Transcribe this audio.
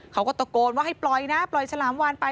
เขาก็ตะโกนว่าให้ปล่อยนะปล่อยฉลามวานไป